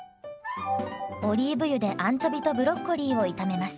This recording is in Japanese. オリーブ油でアンチョビとブロッコリーを炒めます。